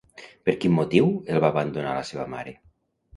Per quin motiu el va abandonar la seva mare?